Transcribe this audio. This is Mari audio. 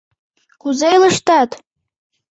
Кузе илыштат?